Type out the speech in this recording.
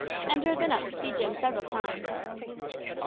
Andrew had been up to see Jim several times.